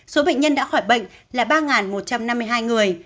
số bệnh nhân đã khỏi bệnh là ba một trăm năm mươi hai người